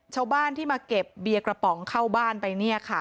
ชาวบ้านที่มาเก็บเบียร์กระป๋องเข้าบ้านไปเนี่ยค่ะ